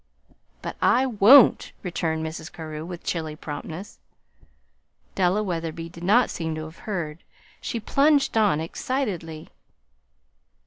"But I won't," returned Mrs. Carew, with chilly promptness. Della Wetherby did not seem to have heard. She plunged on excitedly.